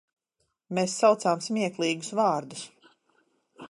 Mēs saucām smieklīgus vārdus.